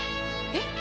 えっ？